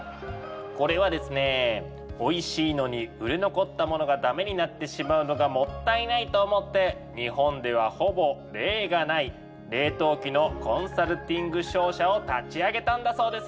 これはですねおいしいのに売れ残ったものがダメになってしまうのがもったいないと思って日本ではほぼ例がない「冷凍機のコンサルティング商社」を立ち上げたんだそうです。